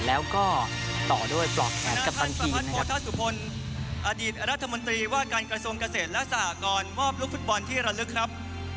แล้วก็ต่อด้วยปลอกแขนกัปตันทีมนะครับ